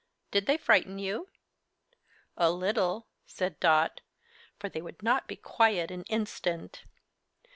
Did they frighten you?" "A little," said Dot, "for they would not be quiet an instant."